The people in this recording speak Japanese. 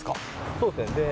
そうですね。